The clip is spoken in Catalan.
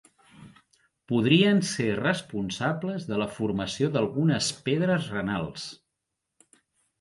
Podrien ser responsables de la formació d'algunes pedres renals.